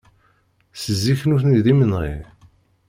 Seg zik nutni d imenɣi.